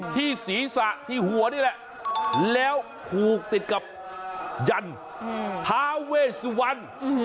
ที่ศีรษะที่หัวนี่แหละแล้วผูกติดกับยันท้าเวสวรรณ